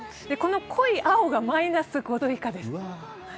この濃い青がマイナス５度以下です。